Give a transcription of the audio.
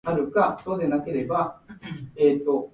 ガイアオワコン